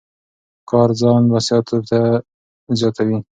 کار ځان بسیا توب زیاتوي.